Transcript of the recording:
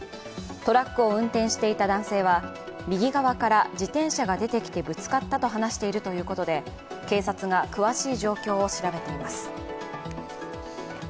トラックを運転していた男性は右側から自転車が出てきてぶつかったと話しているということで警察は詳しい状況を調べています。